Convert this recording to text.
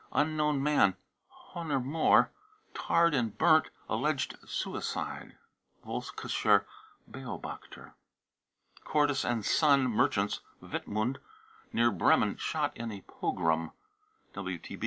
unknown man, Honer Moor, tarred and burnt, alleged suicide. (Volkischer Beobachter.) cordes and son, merchants, Wittmund, near Bremen, shot in a pogrom.